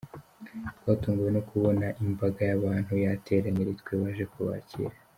Twatunguwe no kubona imbaga y’abantu yateranye ari twe baje kubakira.